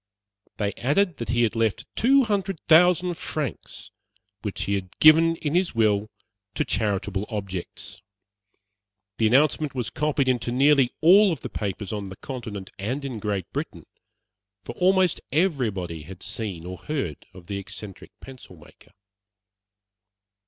They added that he had left two hundred thousand francs, which he had given in his will to charitable objects. The announcement was copied into nearly all the papers on the Continent and in Great Britain, for almost everybody had seen or heard of the eccentric pencil maker.